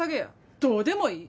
どうでもいい。